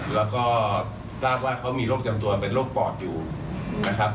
แล้วก็ทราบว่าเขามีโรคจำตัวเป็นโรคปอดอยู่นะครับ